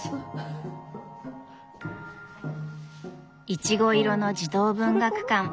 いちご色の児童文学館。